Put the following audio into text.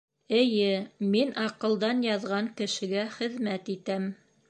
Эйе, мин аҡылдан яҙған кешегә хеҙмәт итәм.